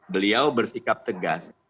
beliau bersikap tegas